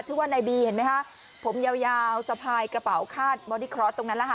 ชื่อว่านายบีเห็นไหมคะผมยาวยาวสะพายกระเป๋าคาดบอดี้ครอสตรงนั้นแหละค่ะ